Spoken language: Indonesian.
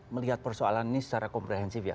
melihat persoalan ini secara komprehensif ya